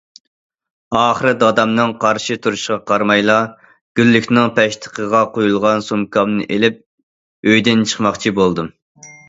ئاخىرى دادامنىڭ قارشى تۇرۇشىغا قارىمايلا گۈللۈكنىڭ پەشتىقىغا قويۇلغان سومكامنى ئېلىپ ئۆيدىن چىقماقچى بولدۇم.